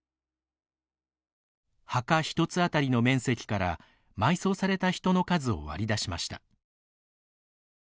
墓１つ当たりの面積から埋葬された人の数を割り出しました。